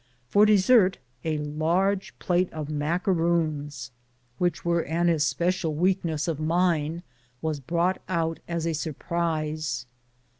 For dessert, a large plate of macaroons, which were an especial weakness of mine, was brought out as a surprise.